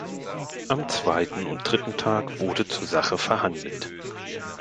Am zweiten und dritten Tag wurde zur Sache verhandelt.